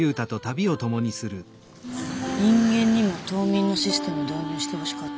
人間にも冬眠のシステム導入してほしかった。